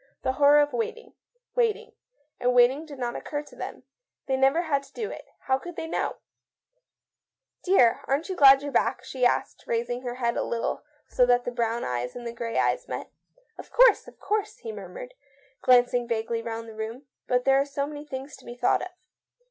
The horror of waiting, waiting, and waiting did not occur to them. They never had to do it; how could they know ?" Dear, aren't you glad you're back ?" she >t THE MAN RETURNS. 163 asked, raising her head a little so that the brown eyes and the grey eyes met. " Of course, of course," he muttered, glanc ing vaguely round the room ;" but there are so many things to be thought of."